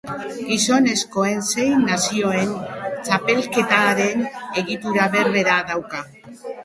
Gizonezkoen Sei Nazioen Txapelketaren egitura berbera dauka.